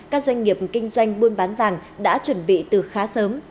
các doanh nghiệp kinh doanh buôn bán vàng đã chuẩn bị từ khá sớm